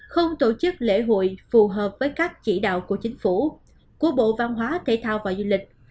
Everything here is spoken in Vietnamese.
không tổ chức lễ hội phù hợp với các chỉ đạo của chính phủ của bộ văn hóa thể thao và du lịch